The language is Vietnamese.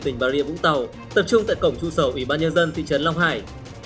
tỉnh bà ria vũng tàu tập trung tại cổng trung sở ủy ban nhân dân tỉnh trấn long hải